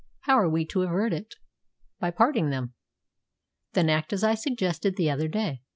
How are we to avert it?" "By parting them." "Then act as I suggested the other day.